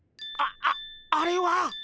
ああれは。